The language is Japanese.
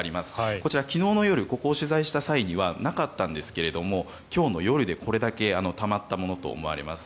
こちら、昨日の夜ここを取材した際にはなかったんですけれども今日の夜でこれだけたまったものと思われます。